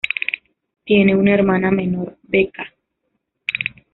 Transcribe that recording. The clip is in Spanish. Tiene una hermana menor, Becca.